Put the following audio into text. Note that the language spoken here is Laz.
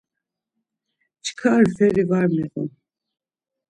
Çkar feri var miğun.